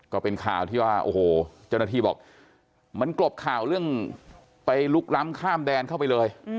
ก็เป็นข่าวที่ว่าโอ้โหเจ้าหน้าที่บอกมันกลบข่าวเรื่องไปลุกล้ำข้ามแดนเข้าไปเลย